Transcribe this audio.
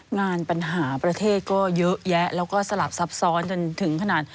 งานปัญหาประเทศก็เยอะแยะแล้วก็สลับซับซ้อนจนถึงขนาด